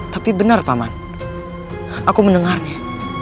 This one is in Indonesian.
tapi benar paman aku mendengarnya